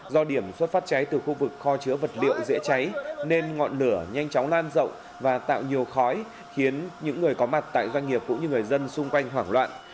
do điểm xuất phát cháy từ khu vực kho chứa vật liệu dễ cháy nên ngọn lửa nhanh chóng lan rộng và tạo nhiều khói khiến những người có mặt tại doanh nghiệp cũng như người dân xung quanh hoảng loạn